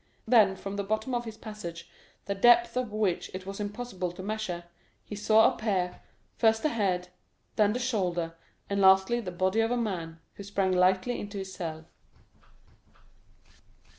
Then from the bottom of this passage, the depth of which it was impossible to measure, he saw appear, first the head, then the shoulders, and lastly the body of a man, who sprang lightly into his cell.